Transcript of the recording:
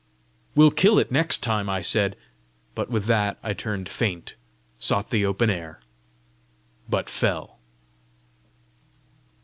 "We'll kill it next time!" I said; but with that I turned faint, sought the open air, but fell.